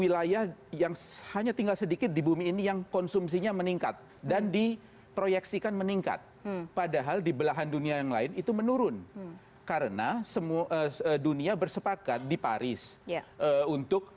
saya masih ingat waktu saya masih kader muda di gerindra saya mendengar pak prabowo selalu